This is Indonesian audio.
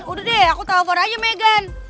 udah deh aku telepon aja meghan